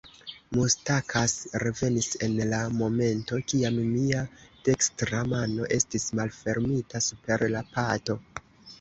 Mustakas revenis en la momento, kiam mia dekstra mano estis malfermita super la pato.